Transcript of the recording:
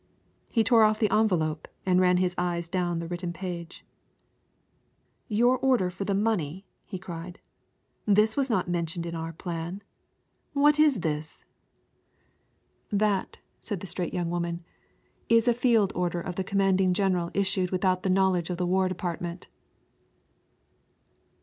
He tore off the envelope and ran his eyes down the written page. "Your order for the money!" he cried; "this was not mentioned in our plan. What is this?" "That," said the straight young woman, "is a field order of the commanding general issued without the knowledge of the war department."